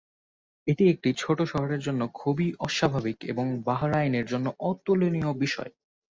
এটি একটি ছোট শহরের জন্য খুবই অস্বাভাবিক এবং বাহরাইনের জন্য অতুলনীয় বিষয়।